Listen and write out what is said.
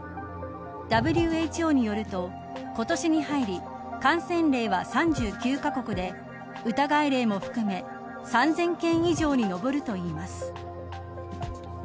ＷＨＯによると、今年に入り感染例は３９カ国で疑い例も含め３０００件以上に上るといいます。